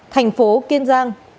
thành phố kiên giang